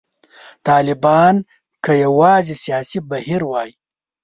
طالبان که یوازې سیاسي بهیر وای.